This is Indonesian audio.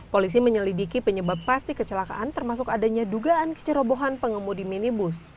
polisi menyelidiki penyebab pasti kecelakaan termasuk adanya dugaan kecerobohan pengemudi minibus